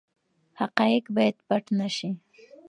حقایق باید پټ نه سي.